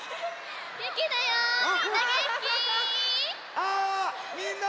あみんな！